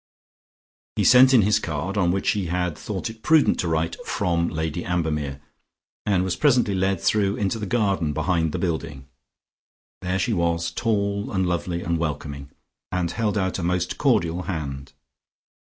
He sent in his card, on which he had thought it prudent to write "From Lady Ambermere," and was presently led through into the garden behind the building. There she was, tall and lovely and welcoming, and held out a most cordial hand.